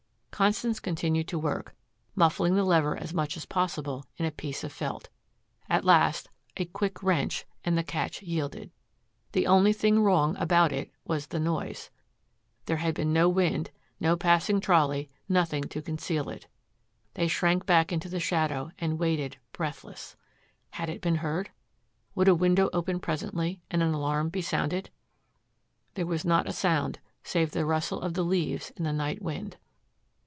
Constance continued to work, muffling the lever as much as possible in a piece of felt. At last a quick wrench and the catch yielded. The only thing wrong about it was the noise. There had been no wind, no passing trolley, nothing to conceal it. They shrank back into the shadow, and waited breathless. Had it been heard? Would a window open presently and an alarm be sounded? There was not a sound, save the rustle of the leaves in the night wind.